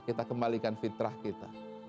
kita kembalikan fitrah kita